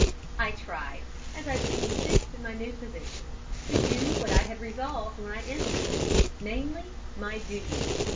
I tried, as I became fixed in my new position, to do what I had resolved when I entered it; namely, my duty.